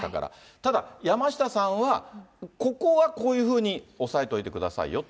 ただ、山下さんは、ここはこういうふうに押さえておいてくださいよと。